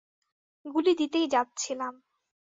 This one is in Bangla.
গুলি দিতেই যাচ্ছিলাম।